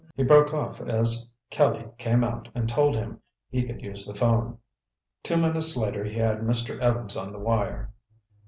He broke off as Kelly came out and told him he could use the 'phone. Two minutes later, he had Mr. Evans on the wire.